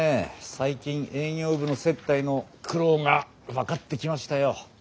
最近営業部の接待の苦労が分かってきましたよ。